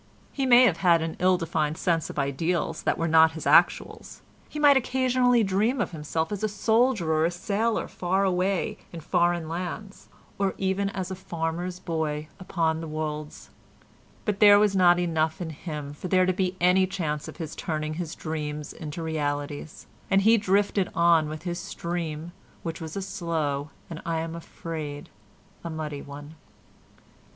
He may have had an ill defined sense of ideals that were not his actuals; he might occasionally dream of himself as a soldier or a sailor far away in foreign lands, or even as a farmer's boy upon the wolds, but there was not enough in him for there to be any chance of his turning his dreams into realities, and he drifted on with his stream, which was a slow, and, I am afraid, a muddy one.